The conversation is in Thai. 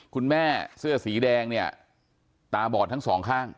คุณแม่เสื้อสีแดงเนี่ยตาบอดทั้งสองข้าง